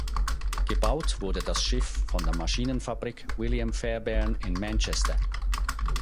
Gebaut wurde das Schiff von der Maschinenfabrik William Fairbairn in Manchester.